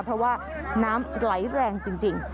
เพราะว่าน้ำไหลแรงจริง